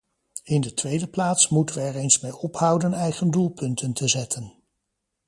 In de tweede plaats moeten we er eens mee ophouden eigen doelpunten te zetten.